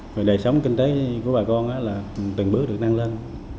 rồi đầy sống kinh tế của bà con là từng bước được năng lên